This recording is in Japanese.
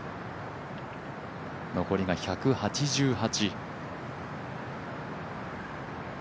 残りが１８８。